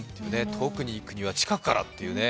遠くに行くには近くからって。